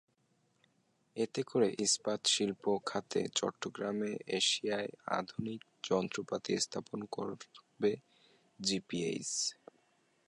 এতে করে ইস্পাত শিল্প খাতে চট্টগ্রামে এশিয়ায় আধুনিক যন্ত্রপাতি স্থাপন করবে জিপিএইচ।